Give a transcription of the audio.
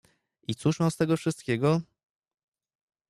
"I cóż mam z tego wszystkiego?"